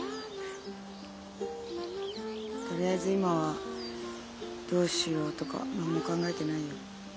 とりあえず今はどうしようとか何も考えてないよ。